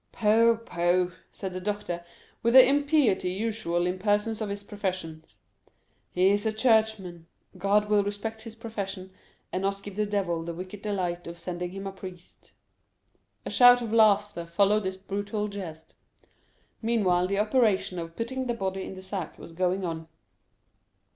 "Pooh, pooh;" said the doctor, with the impiety usual in persons of his profession; "he is a churchman. God will respect his profession, and not give the devil the wicked delight of sending him a priest." A shout of laughter followed this brutal jest. Meanwhile the operation of putting the body in the sack was going on.